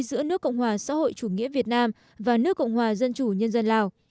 giữa nước cộng hòa xã hội chủ nghĩa việt nam và nước cộng hòa dân chủ nhân dân lào